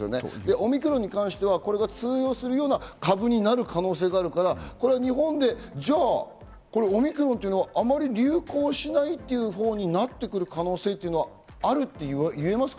オミクロンに関してはこれが通用するような株になる可能性があるから日本でオミクロンというのはあまり流行しないっていうほうになってくる可能性というのは、あると言えますか？